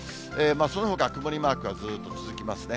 そのほかは曇りマークがずっと続きますね。